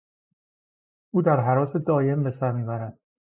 او در هراس دایم بسر میبرد.